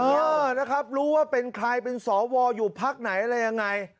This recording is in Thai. เออนะครับรู้ว่าเป็นใครเป็นสวอยู่พักไหนอะไรยังไง